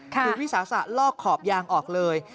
คือวิสาสะลอกขอบยางออกเลย